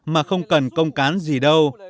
mà không cần công cán gì đâu